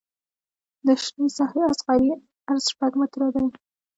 د شنې ساحې اصغري عرض شپږ متره دی